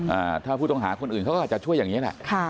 อ่าถ้าผู้ต้องหาคนอื่นเขาก็อาจจะช่วยอย่างเงี้แหละค่ะ